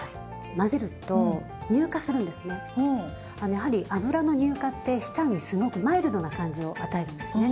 やはり油の乳化って舌にすごくマイルドな感じを与えるんですね。